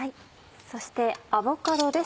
そしてアボカドです